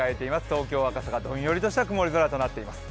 東京・赤坂はどんよりとした曇り空となっています。